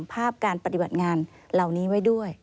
ภาพการปฏิบัติงานเหล่านี้ไว้ด้วย